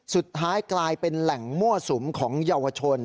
สุดท้ายกลายเป็นแหล่งมั่วสุมของเยาวชน